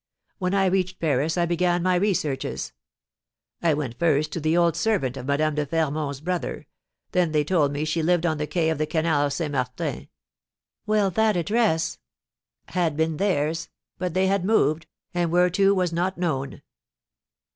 When I reached Paris I began my researches. I went first to the old servant of Madame de Fermont's brother; then they told me she lived on the Quai of the Canal St. Martin." "Well, that address " "Had been theirs; but they had moved, and where to was not known.